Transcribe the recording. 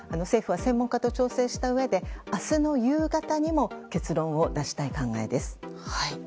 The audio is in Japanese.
政府は専門家と調整したうえで明日の夕方にも結論を出したい考えです。